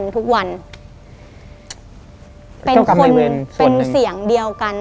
เป็นเสียงเดียวกัน